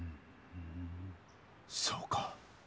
そうか。